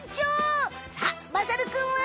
さっまさるくんは？